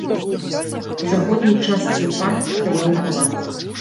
У заходняй частцы парку стаяў палац.